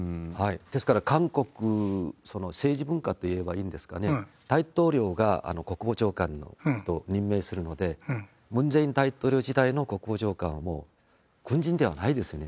ですから、韓国、その政治文化といえばいいんですかね、大統領が国防長官のことを任命するので、ムン・ジェイン大統領時代の国防長官は、もう軍人ではないですよね。